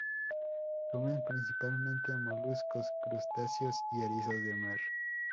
Comen principalmente moluscos, crustáceos y erizos de mar.